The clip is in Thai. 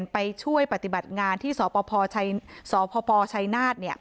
ไปช่วยปฏิบัติงานที่สพชัยนาธ